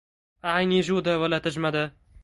أعيني جودا ولا تجمدا